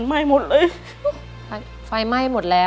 สวัสดีครับ